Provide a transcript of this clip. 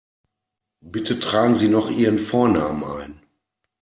Bitte tragen Sie noch Ihren Vornamen ein.